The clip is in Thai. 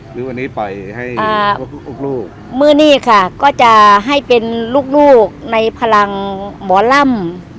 หรือวันนี้ปล่อยให้ลูกลูกอ่าลูกลูกมือนี่ค่ะก็จะให้เป็นลูกลูกในพลังหมอร่ำ